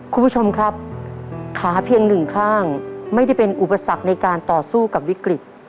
คุณผู้ชมครับขาเพียงหนึ่งข้างไม่ได้เป็นอุปสรรคในการต่อสู้กับวิกฤต